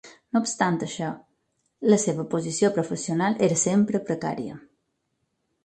No obstant això, la seva posició professional era sempre precària.